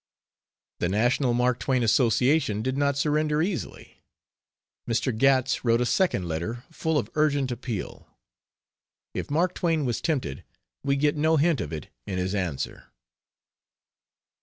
The National Mark Twain Association did not surrender easily. Mr. Gatts wrote a second letter full of urgent appeal. If Mark Twain was tempted, we get no hint of it in his answer.